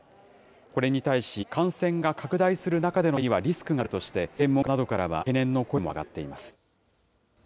これに対し、感染が拡大する中での撤廃にはリスクがあるとして、専門家などからは懸念の声も上がっています。